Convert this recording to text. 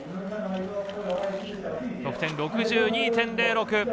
得点６２．０６。